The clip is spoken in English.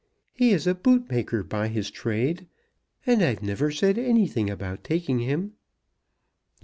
"He is a bootmaker by his trade; and I've never said anything about taking him."